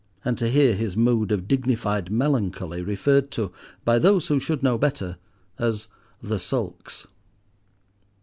and to hear his mood of dignified melancholy referred to, by those who should know better, as "the sulks."